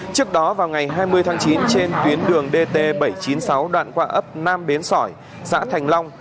trước đó vào ngày hai mươi tháng chín trên tuyến đường dt bảy trăm chín mươi sáu đoạn qua ấp nam bến sỏi xã thành long